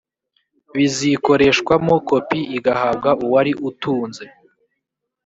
bizikoreshwamo kopi igahabwa uwari utunze